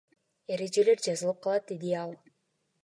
Эрежелер жазылып калат, — деди ал.